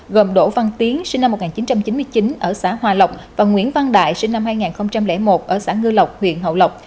gồm đỗ văn tiến sinh năm một nghìn chín trăm chín mươi chín ở xã hòa lộc và nguyễn văn đại sinh năm hai nghìn một ở xã ngư lộc huyện hậu lộc